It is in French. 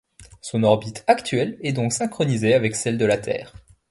Son orbite actuelle est donc synchronisée avec celle de la Terre.